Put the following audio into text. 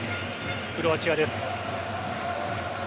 クロアチアです。